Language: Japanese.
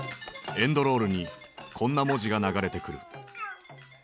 エンドロールにこんな文字が流れてくる。